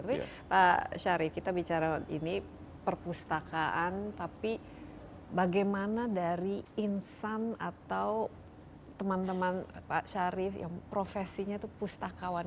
tapi pak syarif kita bicara ini perpustakaan tapi bagaimana dari insan atau teman teman pak syarif yang profesinya itu pustakawan